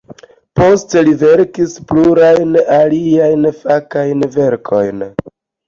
Poste li verkis plurajn aliajn fakajn verkojn.